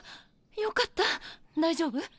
よかった大丈夫？